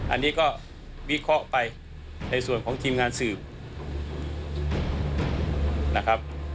อันนี้ก็วิเคราะห์ไปในส่วนของทีมงานสืบนะครับ